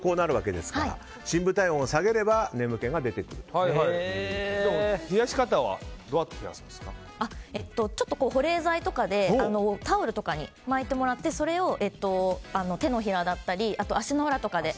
深部体温を下げれば冷やし方はちょっと保冷剤とかでタオルとかに巻いてもらってそれを手のひらだったり足の裏とかに。